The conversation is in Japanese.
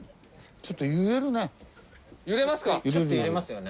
ちょっと揺れますよね。